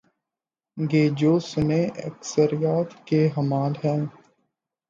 گے جو سنی اکثریت کے حامل ہیں؟